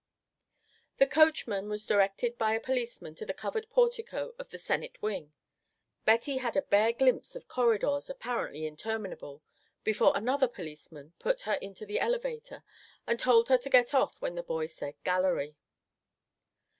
The coachman was directed by a policeman to the covered portico of the Senate wing. Betty had a bare glimpse of corridors apparently interminable, before another policeman put her into the elevator and told her to get off when the boy said "Gallery."